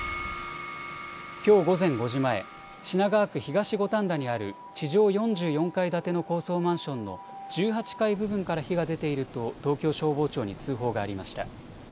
きょう午前５時前、品川区東五反田にある地上４４階建ての高層マンションの１８階部分から火が出ていると東京消防庁に通報がありました。